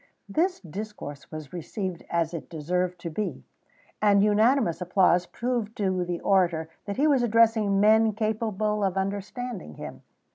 This discourse was received as it deserved to be, and unanimous applause proved to the orator that he was addressing men capable of understanding him.